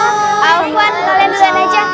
alvan kalian duluan aja